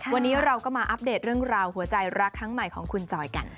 วันนี้เราก็มาอัปเดตเรื่องราวหัวใจรักครั้งใหม่ของคุณจอยกัน